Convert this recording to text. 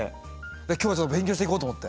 今日は勉強していこうと思って。